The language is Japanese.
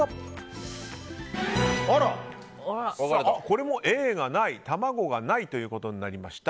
これもＡの卵がないということになりました。